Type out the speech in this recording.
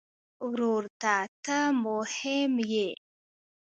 ورور ته ته مهم یې.